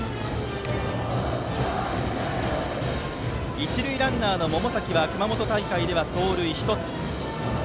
一塁ランナーの百崎は熊本大会では盗塁は１つ。